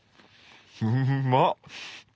うまっ！